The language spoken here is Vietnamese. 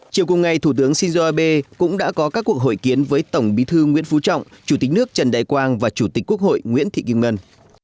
chiều cùng ngày thủ tướng shinzo abe cũng đã có các cuộc hội kiến với tổng bí thư nguyễn phú trọng chủ tịch nước trần đại quang và chủ tịch quốc hội nguyễn thị kim ngân